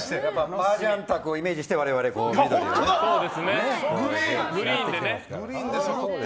マージャン卓をイメージして我々、この衣装で。